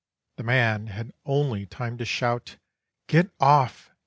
The man had only time to shout, 'Get off!